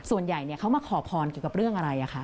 ส่วนใหญ่เขามาขอพรเกี่ยวกับเรื่องอะไรคะ